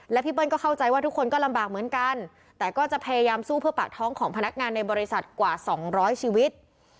และพี่เบิ้ลก็เข้าใจว่าทุกคนก็ลำบากเหมือนกันแต่ก็จะพยายามสู้เพื่อปากท้องของพนักงานในบริษัทกว่า๒๐๐ชีวิต